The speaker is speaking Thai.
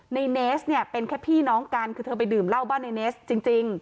ในเนสเนี่ยเป็นแค่พี่น้องกันคือเธอไปดื่มเหล้าบ้านในเนสจริง